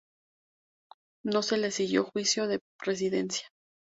No se le siguió juicio de residencia.